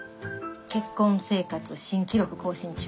結婚生活新記録更新中。